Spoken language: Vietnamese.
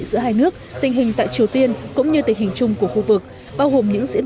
giữa hai nước tình hình tại triều tiên cũng như tình hình chung của khu vực bao gồm những diễn